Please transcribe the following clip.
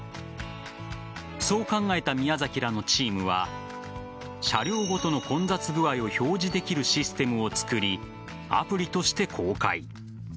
そう考えた宮崎らのチームは車両ごとの混雑具合を表示できるシステムを作りアプリとして公開。